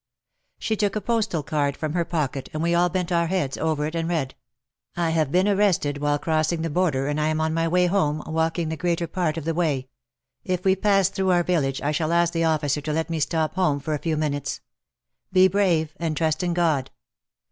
She took a postal card from her pocket and we all bent our heads over it and read : "I have been arrested while crossing the border and I am on my way home, walking the greater part of the way. If we pass through our village I shall ask the officer to let me stop home for a few minutes. Be brave and trust in God."